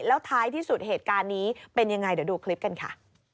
แล้วท้ายที่สุดเหตุการณ์นี้เป็นยังไงเดี๋ยวดูคลิปกันค่ะ